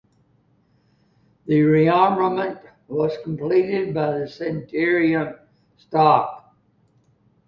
The rearmament was completed by the Centurion stock.